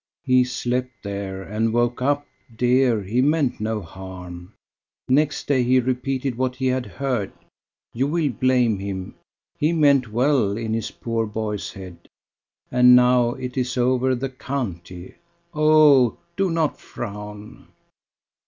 "He slept there, and woke up. Dear, he meant no harm. Next day he repeated what he had heard. You will blame him. He meant well in his poor boy's head. And now it is over the county. Ah! do not frown."